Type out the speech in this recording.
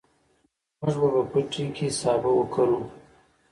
موږ به په پټي کې سابه وکرو.